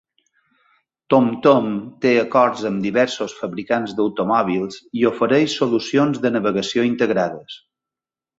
TomTom té acords amb diversos fabricants d'automòbils i ofereix solucions de navegació integrades.